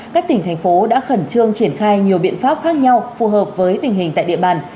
các tỉnh thành phố đã khẩn trương triển khai nhiều biện pháp khác nhau phù hợp với tình hình tại địa bàn